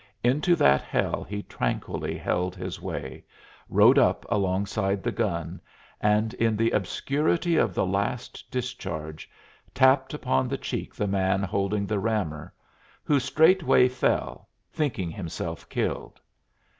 Into that hell he tranquilly held his way, rode up alongside the gun, and, in the obscurity of the last discharge, tapped upon the cheek the man holding the rammer who straightway fell, thinking himself killed.